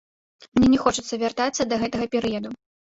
Мне не хочацца вяртацца да гэтага перыяду.